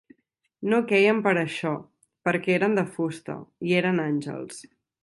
No queien per això: perquè eren de fusta, i eren àngels.